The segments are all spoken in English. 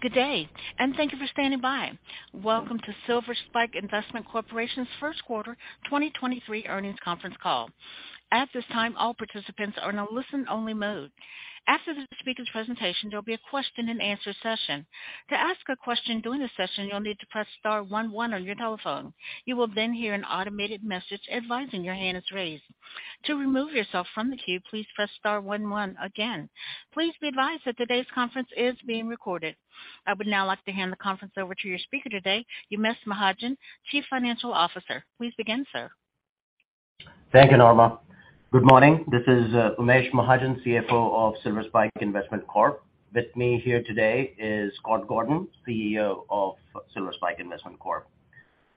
Good day, and thank you for standing by. Welcome to Silver Spike Investment Corp.'s first quarter 2023 earnings conference call. At this time, all participants are in a listen-only mode. After the speaker's presentation, there'll be a question-and-answer session. To ask a question during the session, you'll need to press star one one on your telephone. You will then hear an automated message advising your hand is raised. To remove yourself from the queue, please press star one one again. Please be advised that today's conference is being recorded. I would now like to hand the conference over to your speaker today, Umesh Mahajan, Chief Financial Officer. Please begin, sir. Thank you, Norma. Good morning. This is Umesh Mahajan, CFO of Silver Spike Investment Corp. With me here today is Scott Gordon, CEO of Silver Spike Investment Corp.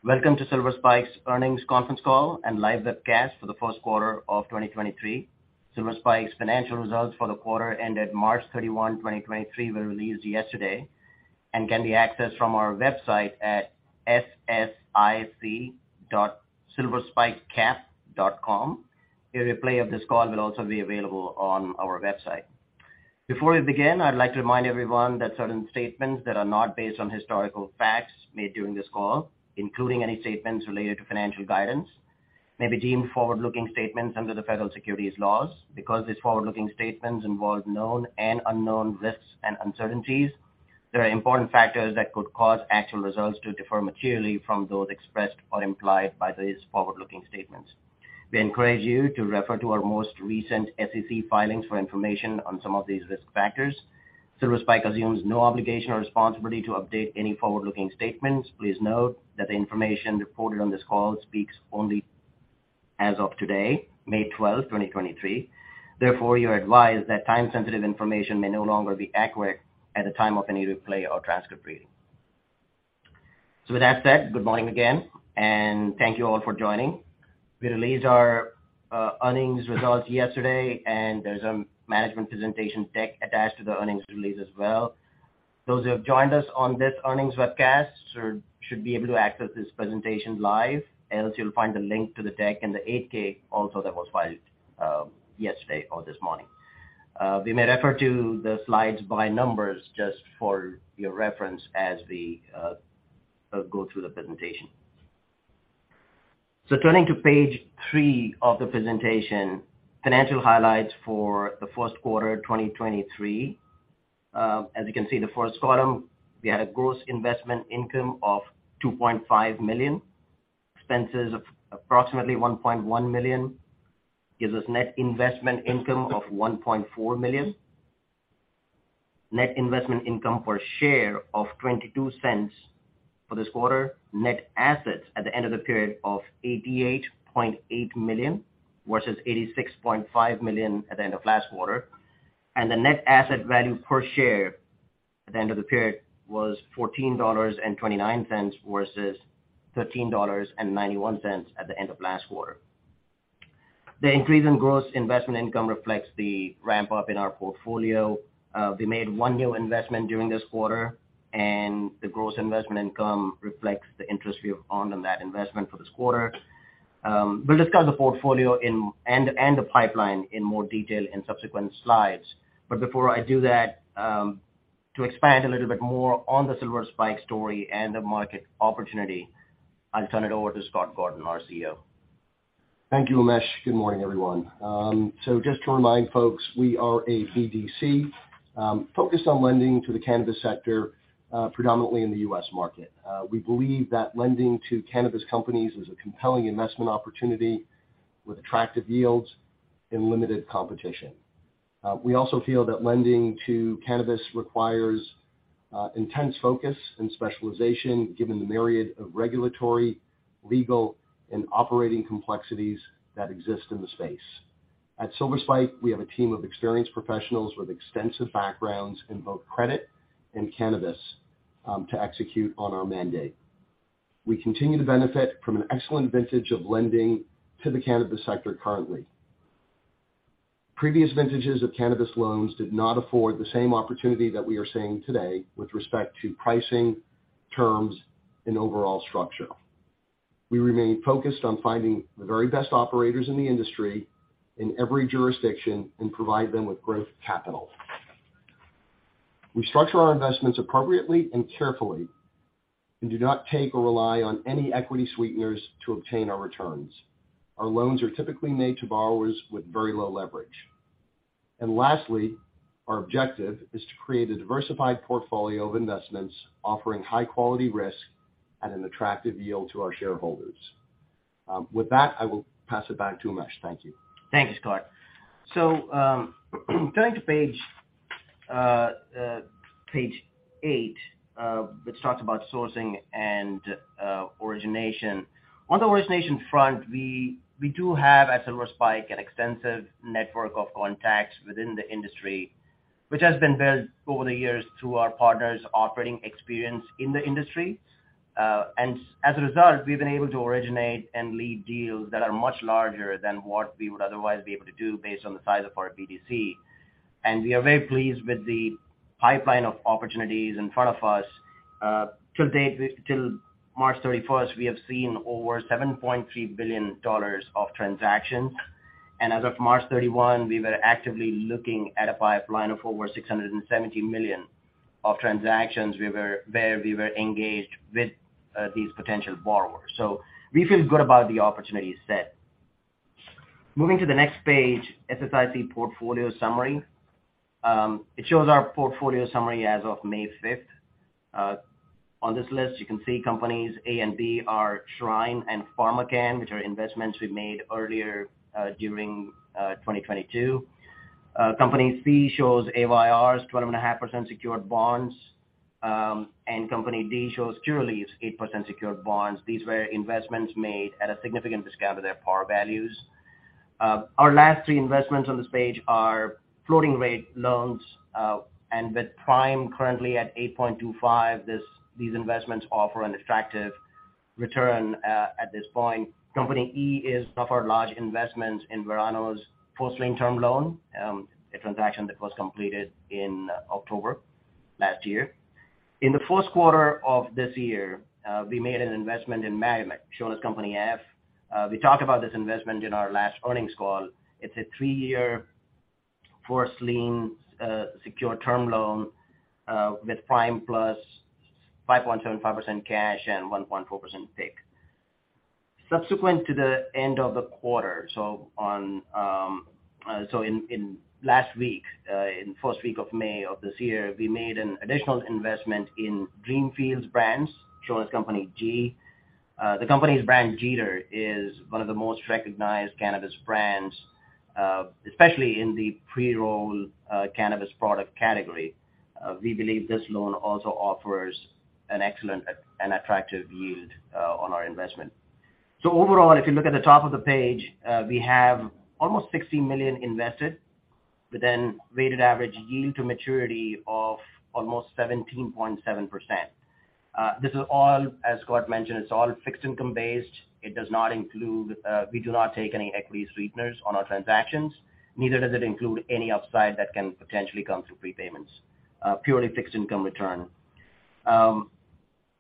Welcome to Silver Spike's earnings conference call and live webcast for the first quarter of 2023. Silver Spike's financial results for the quarter ended March 31, 2023 were released yesterday and can be accessed from our website at ssic.silverspikecap.com. A replay of this call will also be available on our website. Before we begin, I'd like to remind everyone that certain statements that are not based on historical facts made during this call, including any statements related to financial guidance, may be deemed forward-looking statements under the Federal Securities laws. Because these forward-looking statements involve known and unknown risks and uncertainties, there are important factors that could cause actual results to differ materially from those expressed or implied by these forward-looking statements. We encourage you to refer to our most recent SEC filings for information on some of these risk factors. Silver Spike assumes no obligation or responsibility to update any forward-looking statements. Please note that the information reported on this call speaks only as of today, May 12, 2023. Therefore, you're advised that time-sensitive information may no longer be accurate at the time of any replay or transcript reading. With that said, good morning again, and thank you all for joining. We released our earnings results yesterday, and there's a management presentation deck attached to the earnings release as well. Those who have joined us on this earnings webcast should be able to access this presentation live. You'll find the link to the deck in the Form 8-K also that was filed yesterday or this morning. We may refer to the slides by numbers just for your reference as we go through the presentation. Turning to page 3 of the presentation, financial highlights for the first quarter 2023. As you can see in the first column, we had a gross investment income of $2.5 million. Expenses of approximately $1.1 million gives us net investment income of $1.4 million. Net investment income per share of $0.22 for this quarter. Net assets at the end of the period of $88.8 million versus $86.5 million at the end of last quarter. The net asset value per share at the end of the period was $14.29 versus $13.91 at the end of last quarter. The increase in gross investment income reflects the ramp-up in our portfolio. We made one new investment during this quarter, and the gross investment income reflects the interest we have earned on that investment for this quarter. We'll discuss the portfolio and the pipeline in more detail in subsequent slides. Before I do that, to expand a little bit more on the Silver Spike story and the market opportunity, I'll turn it over to Scott Gordon, our CEO. Thank you, Umesh. Good morning, everyone. Just to remind folks, we are a BDC focused on lending to the cannabis sector, predominantly in the US market. We believe that lending to cannabis companies is a compelling investment opportunity with attractive yields and limited competition. We also feel that lending to cannabis requires intense focus and specialization, given the myriad of regulatory, legal, and operating complexities that exist in the space. At Silver Spike, we have a team of experienced professionals with extensive backgrounds in both credit and cannabis to execute on our mandate. We continue to benefit from an excellent vintage of lending to the cannabis sector currently. Previous vintages of cannabis loans did not afford the same opportunity that we are seeing today with respect to pricing, terms, and overall structure. We remain focused on finding the very best operators in the industry in every jurisdiction and provide them with growth capital. We structure our investments appropriately and carefully and do not take or rely on any equity sweeteners to obtain our returns. Our loans are typically made to borrowers with very low leverage. Lastly, our objective is to create a diversified portfolio of investments offering high quality risk at an attractive yield to our shareholders. With that, I will pass it back to Umesh. Thank you. Thank you, Scott. Turning to page 8, which talks about sourcing and origination. On the origination front, we do have, at Silver Spike, an extensive network of contacts within the industry, which has been built over the years through our partners' operating experience in the industry. As a result, we've been able to originate and lead deals that are much larger than what we would otherwise be able to do based on the size of our BDC. We are very pleased with the pipeline of opportunities in front of us. To date, till March 31st, we have seen over $7.3 billion of transactions. As of March 31, we were actively looking at a pipeline of over $670 million of transactions. Where we were engaged with these potential borrowers. We feel good about the opportunity set. Moving to the next page, SSIC portfolio summary. It shows our portfolio summary as of May 5th. On this list, you can see companies A and B are Shrine and PharmaCann, which are investments we made earlier, during 2022. Company C shows Ayr's 12.5% secured bonds. Company D shows Curaleaf's 8% secured bonds. These were investments made at a significant discount to their par values. Our last three investments on this page are floating rate loans. With Prime currently at 8.25%, these investments offer an attractive return at this point. Company E is of our large investments in Verano's first lien term loan, a transaction that was completed in October last year. In the first quarter of this year, we made an investment in MedMen, shown as company F. We talked about this investment in our last earnings call. It's a three-year first lien senior secured term loan, with Prime plus 5.75% cash and 1.4% PIC. Subsequent to the end of the quarter, in first week of May of this year, we made an additional investment in Greenfield Brands, shown as company G. The company's brand, Jeeter, is one of the most recognized cannabis brands, especially in the pre-roll cannabis product category. We believe this loan also offers an excellent and attractive yield on our investment. Overall, if you look at the top of the page, we have almost $60 million invested within weighted average yield to maturity of almost 17.7%. This is all, as Scott mentioned, it's all fixed income-based. It does not include, we do not take any equity sweeteners on our transactions. Neither does it include any upside that can potentially come through prepayments, purely fixed income return.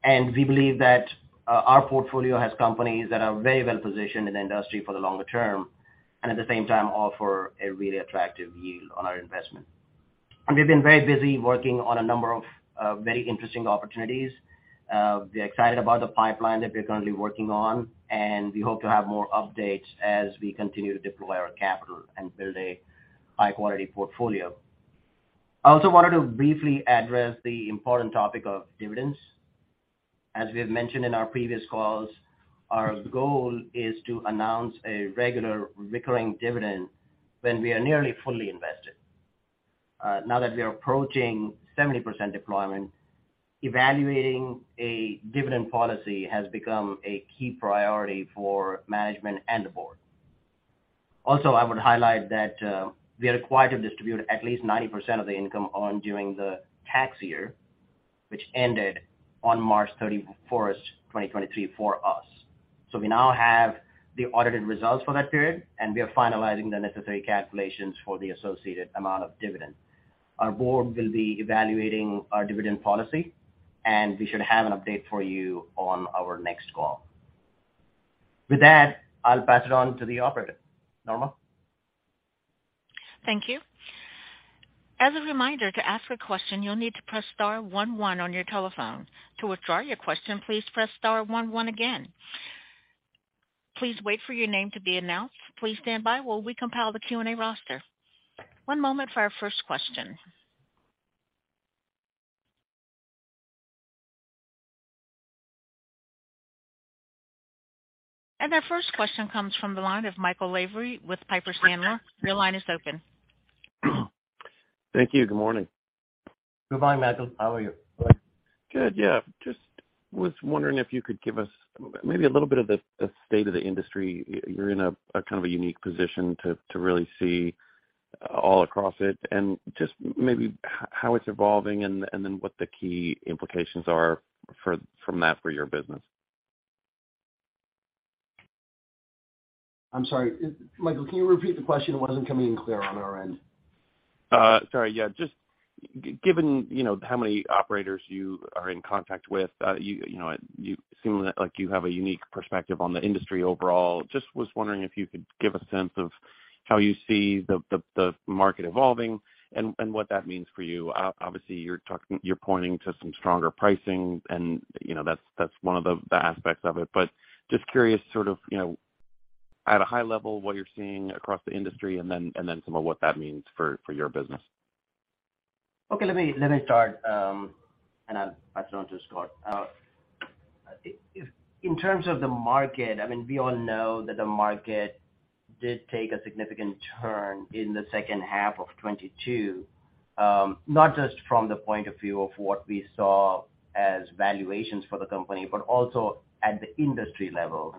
We believe that our portfolio has companies that are very well-positioned in the industry for the longer term, and at the same time, offer a really attractive yield on our investment. We've been very busy working on a number of very interesting opportunities. We're excited about the pipeline that we're currently working on, and we hope to have more updates as we continue to deploy our capital and build a high-quality portfolio. I also wanted to briefly address the important topic of dividends. As we have mentioned in our previous calls, our goal is to announce a regular recurring dividend when we are nearly fully invested. Now that we are approaching 70% deployment, evaluating a dividend policy has become a key priority for management and the board. Also, I would highlight that we are required to distribute at least 90% of the income earned during the tax year, which ended on March 31, 2023 for us. We now have the audited results for that period, and we are finalizing the necessary calculations for the associated amount of dividend. Our board will be evaluating our dividend policy. We should have an update for you on our next call. With that, I'll pass it on to the operator. Norma? Thank you. As a reminder, to ask a question, you'll need to press star one one on your telephone. To withdraw your question, please press star one one again. Please wait for your name to be announced. Please stand by while we compile the Q&A roster. One moment for our first question. Our first question comes from the line of Michael Lavery with Piper Sandler. Your line is open. Thank you. Good morning. Good morning, Michael. How are you? Good. Yeah. Just was wondering if you could give us maybe a little bit of the state of the industry. You're in a kind of a unique position to really see all across it and just maybe how it's evolving and then what the key implications are from that for your business. I'm sorry. Michael, can you repeat the question? It wasn't coming in clear on our end. Sorry, yeah. Just given, you know, how many operators you are in contact with, you know, you seem like you have a unique perspective on the industry overall. Just was wondering if you could give a sense of how you see the market evolving and what that means for you. Obviously, you're pointing to some stronger pricing and, you know, that's one of the aspects of it. But just curious, sort of, you know, at a high level, what you're seeing across the industry and then some of what that means for your business. Okay, let me start, and I'll pass it on to Scott. In terms of the market, I mean, we all know that the market did take a significant turn in the second half of 2022, not just from the point of view of what we saw as valuations for the company, but also at the industry level.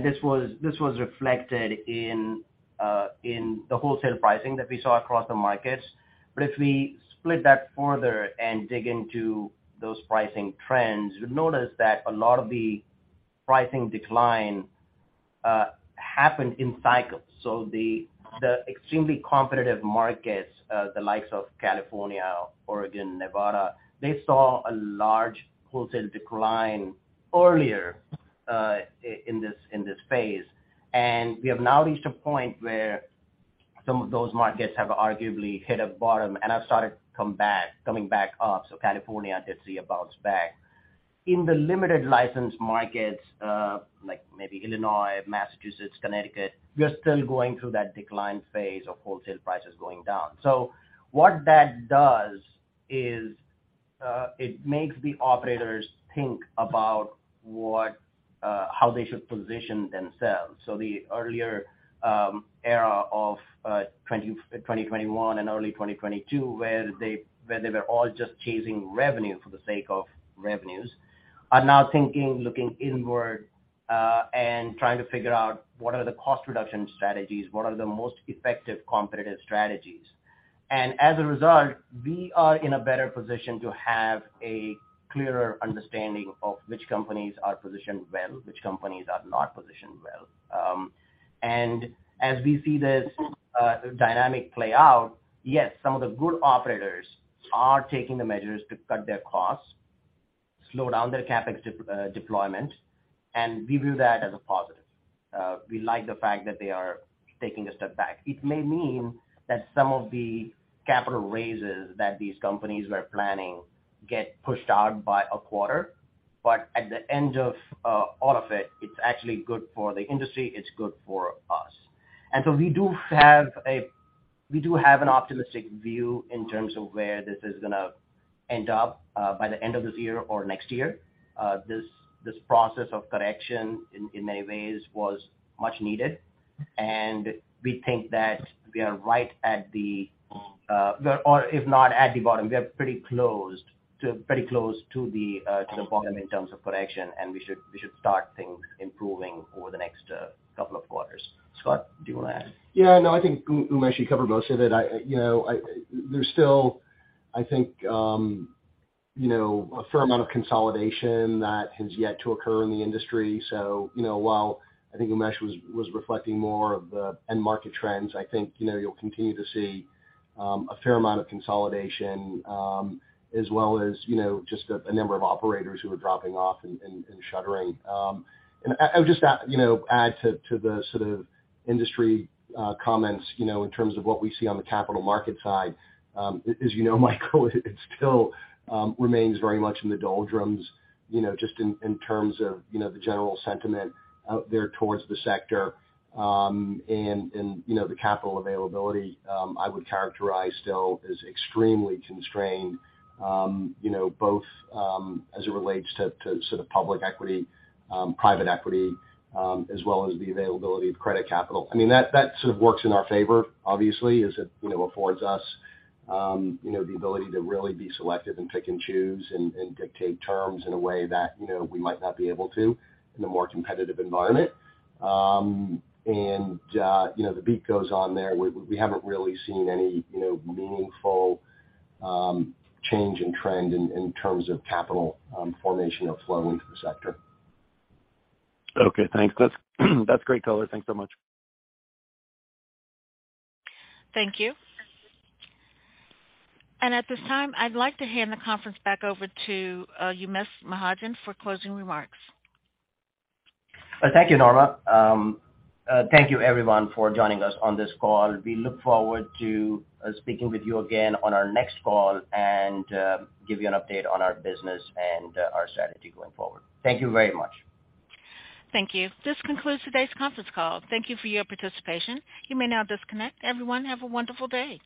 This was reflected in the wholesale pricing that we saw across the markets. If we split that further and dig into those pricing trends, you'll notice that a lot of the pricing decline happened in cycles. The extremely competitive markets, the likes of California, Oregon, Nevada, they saw a large wholesale decline earlier in this phase. We have now reached a point where some of those markets have arguably hit a bottom and have started coming back up. California did see a bounce back. In the limited license markets, like maybe Illinois, Massachusetts, Connecticut, we're still going through that decline phase of wholesale prices going down. What that does is, it makes the operators think about what how they should position themselves. The earlier era of 2021 and early 2022, where they, where they were all just chasing revenue for the sake of revenues, are now thinking, looking inward, and trying to figure out what are the cost reduction strategies, what are the most effective competitive strategies. As a result, we are in a better position to have a clearer understanding of which companies are positioned well, which companies are not positioned well. As we see this dynamic play out, yes, some of the good operators are taking the measures to cut their costs, slow down their CapEx deployment, and we view that as a positive. We like the fact that they are taking a step back. It may mean that some of the capital raises that these companies were planning get pushed out by a quarter. At the end of all of it's actually good for the industry, it's good for us. We do have an optimistic view in terms of where this is gonna end up by the end of this year or next year. This process of correction in many ways was much needed. We think that we are right at the or if not at the bottom, we are pretty close to the bottom in terms of correction, we should start things improving over the next couple of quarters. Scott, do you wanna add? Yeah. No, I think Umesh, you covered most of it. I, you know, there's still, I think, you know, a fair amount of consolidation that has yet to occur in the industry. You know, while I think Umesh was reflecting more of the end market trends, I think, you know, you'll continue to see a fair amount of consolidation, as well as, you know, just a number of operators who are dropping off and shuttering. I would just, you know, add to the sort of industry comments, you know, in terms of what we see on the capital market side. As you know, Michael, it still remains very much in the doldrums, you know, just in terms of, you know, the general sentiment out there towards the sector. And, and, you know, the capital availability, I would characterize still as extremely constrained, you know, both as it relates to sort of public equity, private equity, as well as the availability of credit capital. I mean, that sort of works in our favor, obviously, is it, you know, affords us, you know, the ability to really be selective and pick and choose and dictate terms in a way that, you know, we might not be able to in a more competitive environment. And, you know, the beat goes on there. We, we haven't really seen any, you know, meaningful change in trend in terms of capital formation or flow into the sector. Okay, thanks. That's great color. Thanks so much. Thank you. At this time, I'd like to hand the conference back over to Umesh Mahajan for closing remarks. Thank you, Norma. Thank you everyone for joining us on this call. We look forward to speaking with you again on our next call and give you an update on our business and our strategy going forward. Thank you very much. Thank you. This concludes today's conference call. Thank you for your participation. You may now disconnect. Everyone, have a wonderful day.